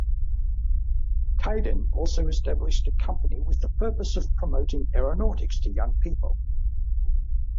Caidin also established a company with the purpose of promoting aeronautics to young people.